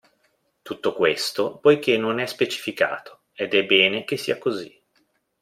Tutto questo poiché non è specificato, ed è bene che sia così.